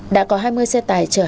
đã có hai mươi xe tải chở hàng cứu trợ